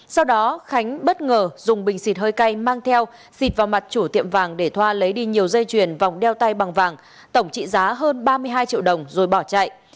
sau đó khánh bất ngờ dùng bình xịt hơi cay mang theo xịt vào mặt chủ tiệm vàng để thoa lấy đi nhiều dây chuyền vòng đeo tay bằng vàng tổng trị giá hơn ba mươi hai triệu đồng rồi bỏ chạy